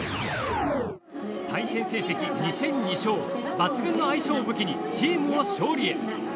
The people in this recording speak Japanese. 対戦成績２戦２勝抜群の相性を武器にチームを勝利へ。